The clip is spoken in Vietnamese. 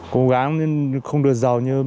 cố gắng không được giàu nhưng mà